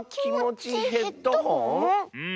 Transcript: うん。